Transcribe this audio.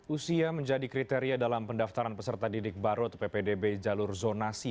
usia menjadi kriteria dalam pendaftaran peserta didik baru atau ppdb jalur zonasi